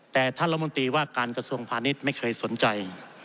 แต่ท่านรัฐมนตรีว่าการกระทรวงพาณิชย์ไม่เคยสนใจ